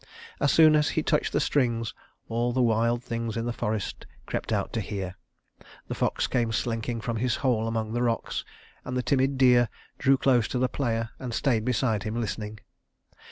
As soon as he touched the strings, all the wild things in the forest crept out to hear. The fox came slinking from his hole among the rocks, and the timid deer drew close to the player and stayed beside him, listening.